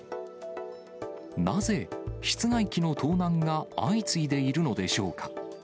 なぜ、室外機の盗難が相次いでいるのでしょうか。